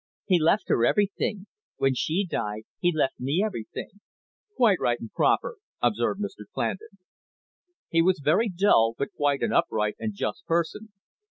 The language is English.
"He left her everything. When she died, he left me everything." "Quite right and proper," observed Mr Clandon. He was very dull, but quite an upright and just person.